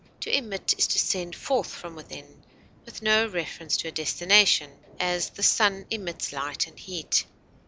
To emit is to send forth from within, with no reference to a destination; as, the sun emits light and heat.